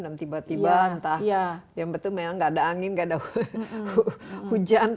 dan tiba tiba entah yang betul memang gak ada angin gak ada hujan